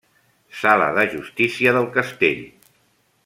Sala de justícia del castell.